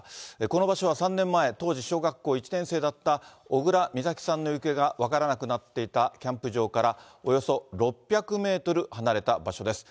この場所は３年前、当時小学校１年生だった小倉美咲さんの行方が分からなくなっていたキャンプ場から、およそ６００メートル離れた場所です。